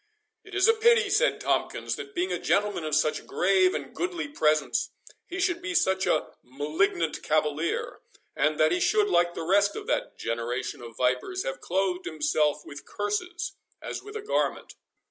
"It is a pity," said Tomkins, "that being a gentleman of such grave and goodly presence, he should be such a malignant cavalier, and that he should, like the rest of that generation of vipers, have clothed himself with curses as with a garment."